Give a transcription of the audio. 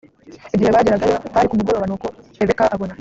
igihe bageragayo hari ku mugoroba nuko rebeka abona